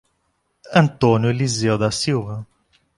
Antônio Elizeu da Silva